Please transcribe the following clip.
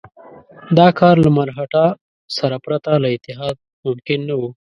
دا کار له مرهټه سره پرته له اتحاد ممکن نه وو.